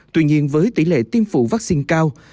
tuy nhiên với tỷ lệ tiêm phụ vắc xin cao